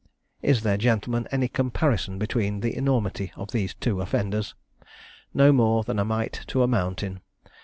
"Is there, gentlemen, any comparison between the enormity of these two offenders? No more than a mite to a mountain.